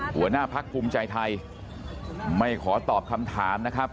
หัวหน้าพักภูมิใจไทยไม่ขอตอบคำถามนะครับ